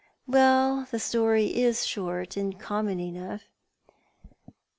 Well, the story is short and common enough."